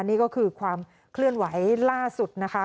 นี่ก็คือความเคลื่อนไหวล่าสุดนะคะ